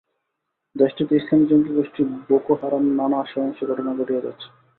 দেশটিতে ইসলামি জঙ্গি গোষ্ঠী বোকো হারাম নানা সহিংস ঘটনা ঘটিয়ে যাচ্ছে।